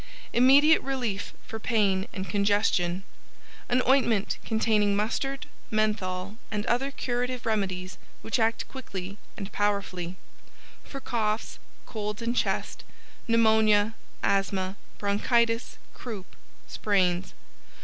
] IMMEDIATE RELIEF FOR PAIN AND CONGESTION An ointment containing Mustard, Menthol and other curative remedies which act quickly and powerfully, FOR Coughs, Colds in Chest, Pneumonia, Asthma, Bronchitis, Croup, Sprains.